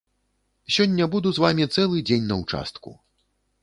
Сёння буду з вамі цэлы дзень на участку.